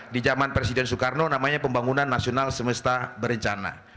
di zaman presiden soekarno namanya pembangunan nasional semesta berencana